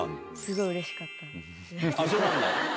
そうなんだ